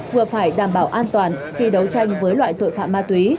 vừa phải đảm bảo an toàn khi đấu tranh với loại tội phạm ma túy